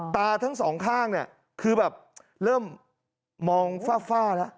ตาทั้ง๒ข้างคือแบบเริ่มมองฟ้าละ